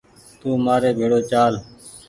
تو مآري ڀيڙو چآل